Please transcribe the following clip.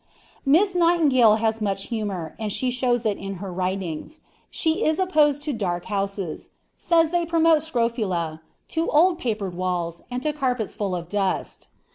Miss Nightingale has much humor, and she shows it in her writings. She is opposed to dark houses; says they promote scrofula; to old papered walls, and to carpets full of dust.